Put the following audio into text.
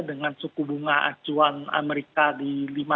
dengan suku bunga acuan amerika di lima dua puluh lima